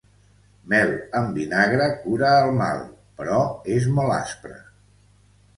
Mel amb vinagre cura el mal, però és molt aspre.